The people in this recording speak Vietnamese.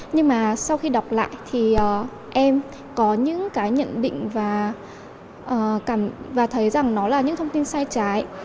nhưng mà sau khi đọc lại thì em có những cái nhận định và thấy rằng nó là những thông tin sai trái